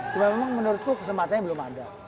cuma memang menurutku kesempatannya belum ada